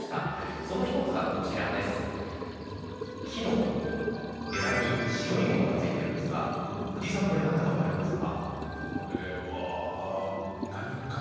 その１つが、木の枝に白いものがついているんですが藤井さん何だか分かりますか？